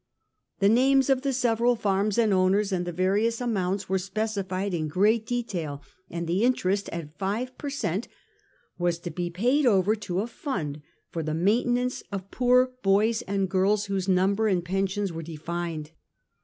The names of the several farms and owners, and the various amounts, were specified in great detail, and the interest at five per cent, was to be paid over to a fund for the maintenance of poor boys and girls whose number and pensions were defined.